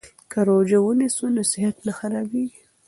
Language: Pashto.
که روژه ونیسو نو صحت نه خرابیږي.